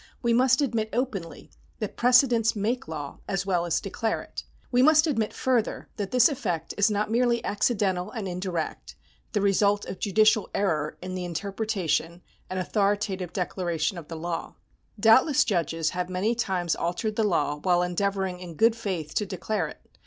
We must admit openly that precedents make law as well as declare it. We must admit further that this effect is not merely accidental and indirect, the result of judicial error in the interpretation and authoritative declaration of the law. Doubtless judges have many times altered the law while endeavouring in good faith to declare it.